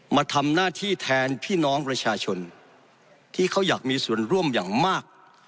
มาทำหน้าที่แทนพี่น้องประชาชนที่เขาอยากมีส่วนร่วมอย่างมาก